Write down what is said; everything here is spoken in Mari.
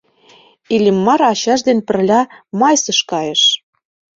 Иллимар ачаж дене пырля мыйсыш кайыш.